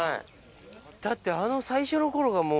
だってあの最初の頃がもう。